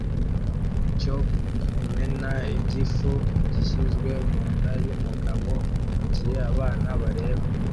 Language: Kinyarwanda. cyo kumena igifu gishyizwe munda yumugabo mugihe abana bareba